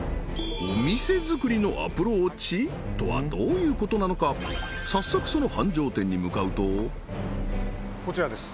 お店作りのアプローチ？とはどういうことなのか早速その繁盛店に向かうとここ！？